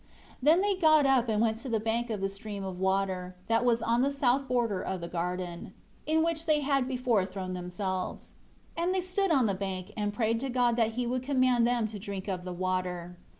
2 Then they got up, and went to the bank of the stream of water, that was on the south border of the garden, in which they had before thrown themselves. And they stood on the bank, and prayed to God that He would command them to drink of the water.